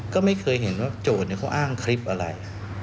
ก็ไม่เคยเห็นว่าโจทย์เขาอ้างคลิปอะไร